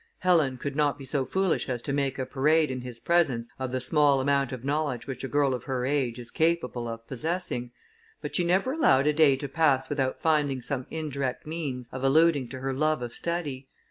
Helen could not be so foolish as to make a parade, in his presence, of the small amount of knowledge which a girl of her age is capable of possessing; but she never allowed a day to pass without finding some indirect means of alluding to her love of study.